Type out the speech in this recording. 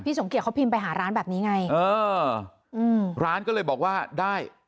สมเกียจเขาพิมพ์ไปหาร้านแบบนี้ไงเอออืมร้านก็เลยบอกว่าได้